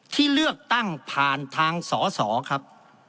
ที่เลือกตั้งผ่านทางสอสอครับ